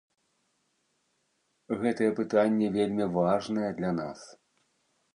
Гэтае пытанне вельмі важнае для нас.